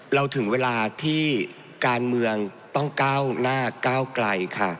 ถึงเวลาที่การเมืองต้องก้าวหน้าก้าวไกลค่ะ